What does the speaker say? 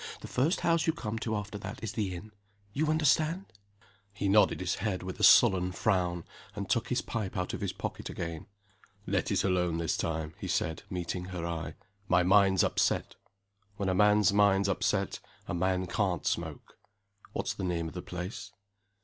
The first house you come to after that is the inn. You understand!" He nodded his head, with a sullen frown, and took his pipe out of his pocket again. "Let it alone this time," he said, meeting her eye. "My mind's upset. When a man's mind's upset, a man can't smoke. What's the name of the place?"